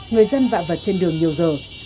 người dân vạ vật trên đường nhiều giờ